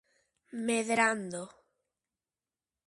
Medrando.